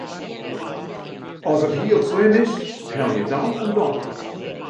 As it hiel slim is, helje dan in dokter.